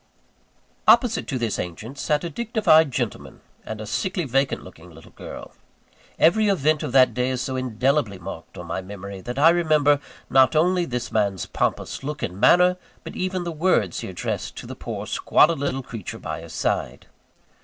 Opposite to this ancient sat a dignified gentleman and a sickly vacant looking little girl. Every event of that day is so indelibly marked on my memory, that I remember, not only this man's pompous look and manner, but even the words he addressed to the poor squalid little creature by his side.